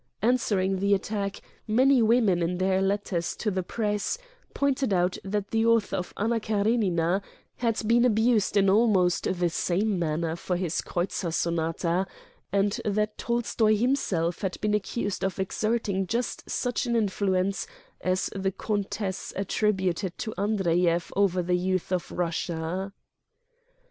Answering the attack, many women, in their letters to the press, pointed out that the author of "Anna Karenina" had been abused in almost the same manner for his "Kreutzer Son ata," and that Tolstoy himself had been accused of exerting just such an influence as the Countess attributed to Andreyev over the youth of Russia.